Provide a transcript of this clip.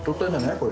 これ。